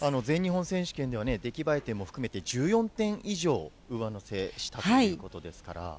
全日本選手権では、出来栄え点も含めて、１４点以上上乗せしたということですから。